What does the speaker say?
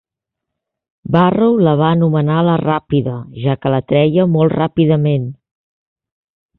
Barrow la va anomenar "la ràpida", ja que la treia molt ràpidament.